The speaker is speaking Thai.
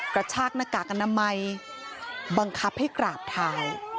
กระชากหน้ากากอนามัยบังคับให้กราบเท้า